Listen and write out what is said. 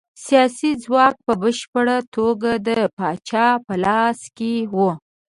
سیاسي ځواک په بشپړه توګه د پاچا په لاس کې و.